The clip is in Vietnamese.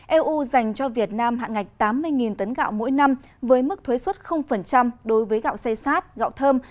eu dành cho việt nam hạn ngạch tám mươi tấn gạo mỗi năm với mức thuế xuất đối với gạo xây sát gạo thơm